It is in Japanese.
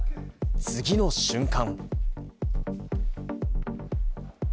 次の瞬間。